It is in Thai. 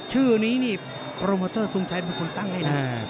ชื่อนี้นี่โปรโมเตอร์ทรงชัยเป็นคนตั้งให้นะ